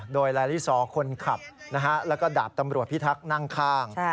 โดยลาลิซอร์คนขับแล้วก็ดาบตำรวจพิทักษ์นั่งข้าง